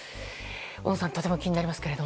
小野さん、とても気になりますが。